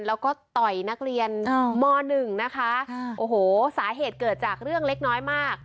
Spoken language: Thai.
แล้วก็ต่อยนักเรียนมหนึ่งนะคะโอ้โหสาเหตุเกิดจากเรื่องเล็กน้อยมาก